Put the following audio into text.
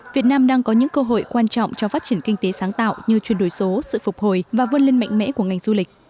việt nam đang có những cơ hội quan trọng cho phát triển kinh tế sáng tạo như chuyển đổi số sự phục hồi và vươn lên mạnh mẽ của ngành du lịch